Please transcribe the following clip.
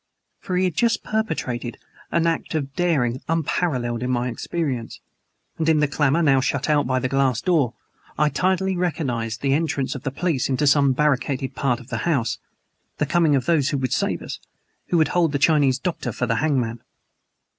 For he had just perpetrated an act of daring unparalleled in my experience, and, in the clamor now shut out by the glass door I tardily recognized the entrance of the police into some barricaded part of the house the coming of those who would save us who would hold the Chinese doctor for the hangman!